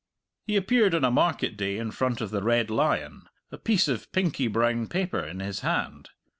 He appeared on a market day in front of the Red Lion, a piece of pinky brown paper in his hand.